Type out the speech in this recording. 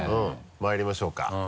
まいりましょうか。